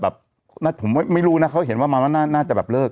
แบบผมไม่รู้นะเขาเห็นว่ามาว่าน่าจะแบบเลิก